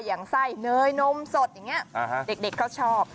อย่างไส้เนยนมสดอย่างนี้เด็กเขาชอบ